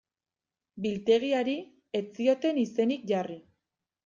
Biltegiari ez zioten izenik jarri.